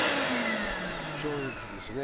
衝撃ですね。